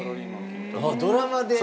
あっドラマで？